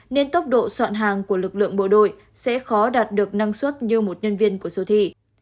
nên tốc độ soạn hàng của lực lượng bộ đội sẽ khó đạt được năng suất như một nhân viên của siêu thị